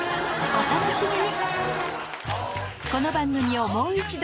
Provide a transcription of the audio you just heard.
お楽しみに！